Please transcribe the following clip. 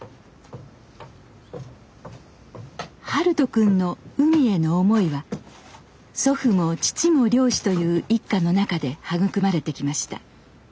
暖人くんの海への思いは祖父も父も漁師という一家の中で育まれてきました。